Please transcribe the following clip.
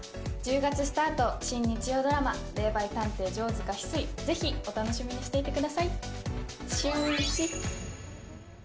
１０月スタート、新日曜ドラマ、霊媒探偵・城塚翡翠、ぜひお楽しみにしていてください。